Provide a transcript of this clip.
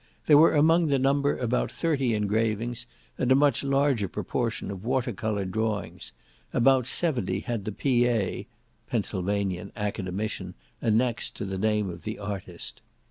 There were among the number about thirty engravings, and a much larger proportion of water colour drawings; about seventy had the P.A. (Pensylvanian Academician) annexed to the name of the artist.